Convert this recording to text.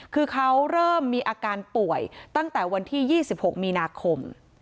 คือเขาเริ่มมีอาการป่วยตั้งแต่วันที่๒๖มีนาคม